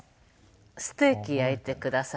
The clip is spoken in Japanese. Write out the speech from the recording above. ステーキ焼いてくださって。